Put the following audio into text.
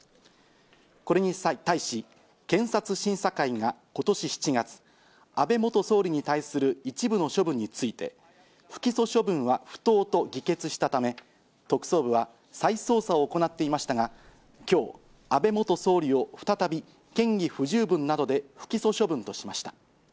これに対し、検察審査会がことし７月、安倍元総理に対する一部の処分について、不起訴処分は不当と議決したため、特捜部は再捜査を行っていましたが、きょう、安倍元総理を再び嫌疑不十分などで不起訴処分としました。